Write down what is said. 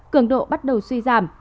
cường độ bắt đầu suy giảm